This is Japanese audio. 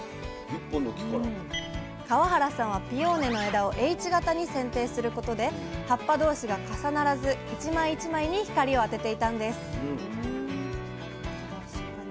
河原さんはピオーネの枝をＨ型にせんていすることで葉っぱ同士が重ならず１枚１枚に光を当てていたんです